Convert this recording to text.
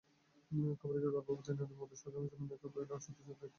কবরীকে গর্ভবতী নারীর মতো সাজানোর জন্য মেকআপম্যান আশুতোষকে দায়িত্ব দেন সুভাষ দত্ত।